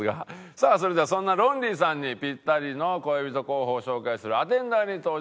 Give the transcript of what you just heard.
さあそれではそんなロンリーさんにピッタリの恋人候補を紹介するアテンダーに登場してもらいましょう。